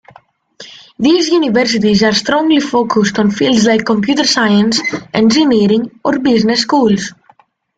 These universities are strongly focused on fields like computer science, engineering or business schools.